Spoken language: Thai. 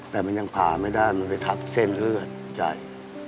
แต่มันยังผ่าไม่ได้มันไปทับเส้นเลือดใหญ่